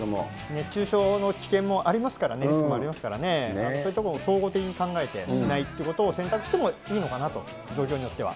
熱中症の危険もありますから、リスクもありますからね、そういったことを総合的に考えて、しないということも選択してもいいのかなと、状況によっては。